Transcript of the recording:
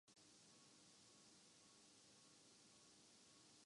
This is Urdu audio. مقامی فلموں کی مسلسل کامیابی لازمی ہے۔